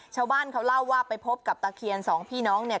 ชาวบ้านเขาเล่าว่าไปพบกับตะเคียนสองพี่น้องเนี่ย